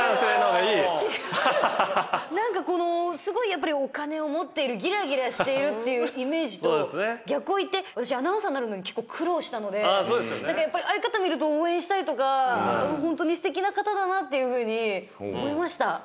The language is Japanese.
やっぱりお金を持っているギラギラしているっていうイメージと逆をいって私アナウンサーになるのに結構苦労したのでやっぱりああいう方見ると応援したいとか本当に素敵な方だなっていうふうに思いました